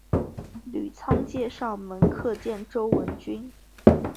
吕仓介绍门客见周文君。